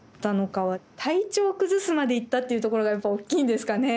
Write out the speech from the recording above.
体調崩すまでいったっていうところがやっぱおっきいんですかね。